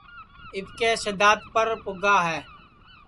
اِٻکے سِدادپر پُگا ہے